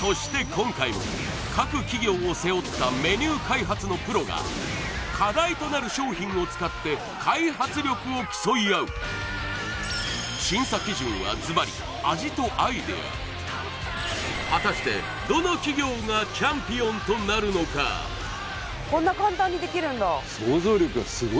今回も各企業を背負ったメニュー開発のプロが課題となる商品を使って開発力を競い合うズバリ果たしてどの企業がチャンピオンとなるのかこんな簡単にできるんだ